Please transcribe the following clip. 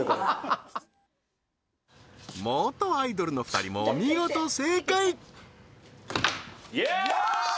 はっ元アイドルの２人も見事正解イエーイ！